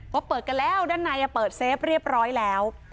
เปิดกันแล้วด้านในเปิดเซฟเรียบร้อยแล้ว